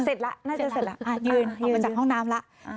เสร็จแล้วน่าจะเสร็จแล้วอ่ายืนออกมาจากห้องน้ำล่ะอ่า